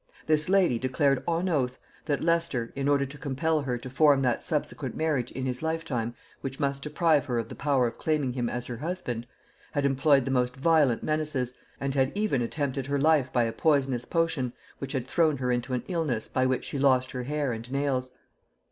This lady declared on oath that Leicester, in order to compel her to form that subsequent marriage in his lifetime which must deprive her of the power of claiming him as her husband, had employed the most violent menaces, and had even attempted her life by a poisonous potion which had thrown her into an illness by which she lost her hair and nails.